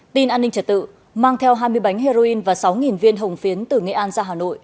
tin an ninh trật tự mang theo hai mươi bánh heroin và sáu viên hồng phiến từ nghệ an ra hà nội